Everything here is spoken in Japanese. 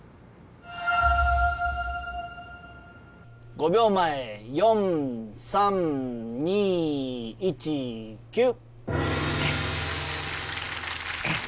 ５秒前４３２１キュー。